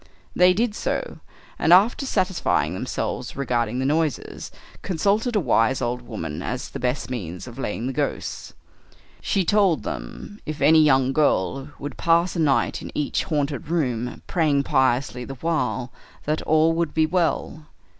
They did so, and after satisfying themselves regarding the noises, consulted a wise old woman as to the best means of laying the ghosts. She told them if any young girl would pass a night in each haunted room, praying piously the while, that all would be well.